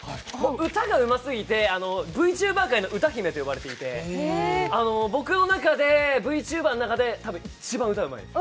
歌がうますぎてＶＴｕｂｅｒ界の歌姫と言われていて僕の中で、ＶＴｕｂｅｒの中でたぶん一番歌うまいです。